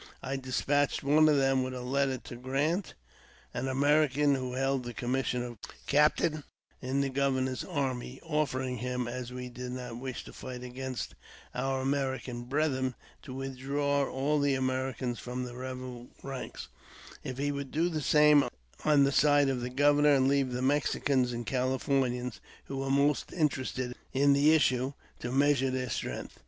I despatched one of them with a letter to Gant, an American ?88 AUTOBIOGBAPEY OF who held the commigsion of captain in the governor's army, offering him, as we did not wish to fight against our American brethren, to withdraw all the Americans from the rebel ranks, if he would do the same on the side of the governor, and leave the Mexicans and Californians, who were most interested in the issue, to measure their strength.